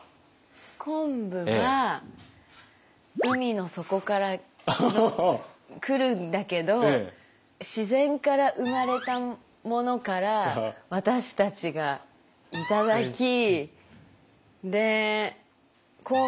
昆布は海の底からくるんだけど自然から生まれたものから私たちが頂きで昆布を結び。